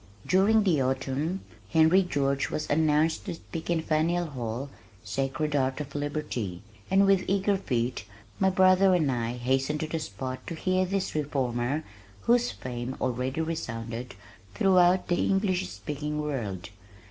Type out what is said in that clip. During the autumn Henry George was announced to speak in Faneuil Hall, sacred ark of liberty, and with eager feet my brother and I hastened to the spot to hear this reformer whose fame already resounded throughout the English speaking world.